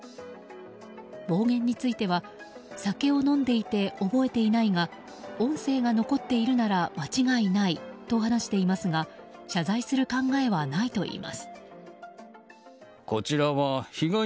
暴言については酒を飲んでいて覚えていないが音声が残っているなら間違いないと話していますが謝罪する考えはないといいます。